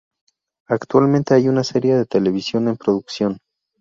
Actualmente hay una serie de televisión en producción.